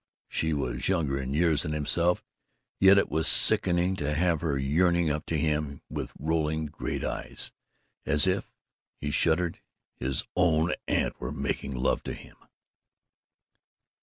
She was younger in years than himself, yet it was sickening to have her yearning up at him with rolling great eyes as if, he shuddered, his own aunt were making love to him.